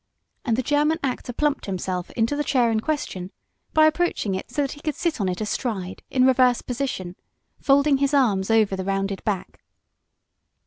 and the German actor plumped himself into the chair in question by approaching it so that he could sit on it in astride, in reverse position, folding his arms over the rounded back.